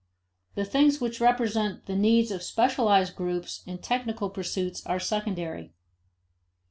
The things which represent the needs of specialized groups and technical pursuits are secondary.